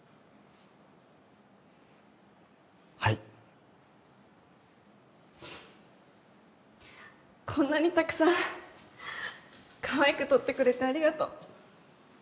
はいこんなにたくさんかわいく撮ってくれてありがとう